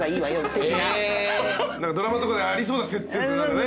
ドラマとかでありそうな設定っすね。